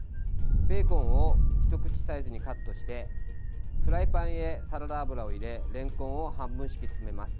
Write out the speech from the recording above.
ベーコンを一口サイズにカットしてフライパンへサラダ油を入れれんこんを半分敷き詰めます。